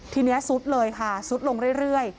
ทีนี้ซุดเลยค่ะซุดลงเรื่อย